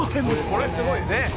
「これすごいよね」